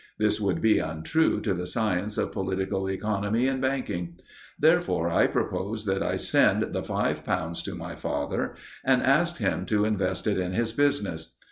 This would be untrue to the science of political economy and banking. Therefore I propose that I send the five pounds to my father and ask him to invest it in his business.